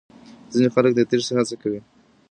ځينې خلک د تېښتې هڅه کوي.